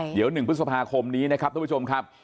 เดี๋ยว๑พฤษภาคมนี้นะครับทุกผู้ชมครับ